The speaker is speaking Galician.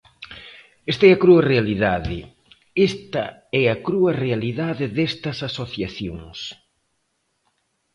Esta é a crúa realidade, esta é a crúa realidade destas asociacións.